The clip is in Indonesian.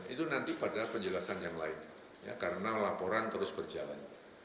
itu nanti pada penjelasan yang lain karena laporan terus berjalan